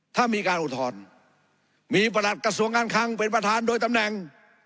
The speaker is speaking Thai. ถ้ามีการอุทธรณ์มีประหลัดกระทรวงการคังเป็นประธานโดยตำแหน่ง